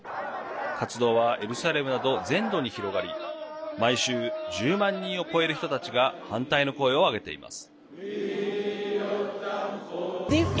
活動は、エルサレムなど全土に広がり毎週１０万人を超える人たちが反対の声を上げています。